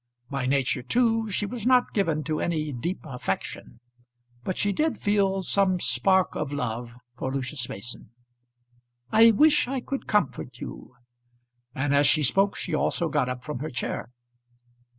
By nature, too, she was not given to any deep affection, but she did feel some spark of love for Lucius Mason. "I wish I could comfort you." And as she spoke she also got up from her chair.